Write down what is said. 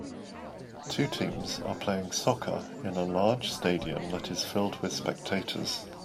Two teams are playing soccer in a large stadium that is filled with spectators.